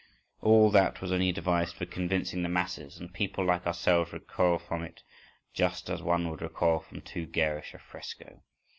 All that was only devised for convincing the masses, and people like ourselves recoil from it just as one would recoil from too garish a fresco.